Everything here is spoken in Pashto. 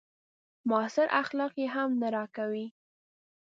معاصر اخلاق يې هم نه راکوي.